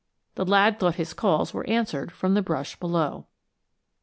The lad thought his calls were answered from the brush below.